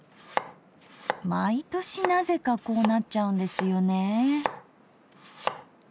毎年なぜかこうなっちゃうんですよね。